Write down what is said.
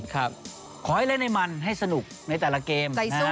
ขอให้เล่นให้มันให้สนุกในแต่ละเกม